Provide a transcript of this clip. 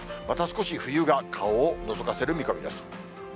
また少し冬が顔をのぞかせる見込みです。